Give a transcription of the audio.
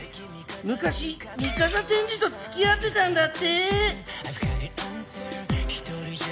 昔美笠天智と付き合ってたんだって！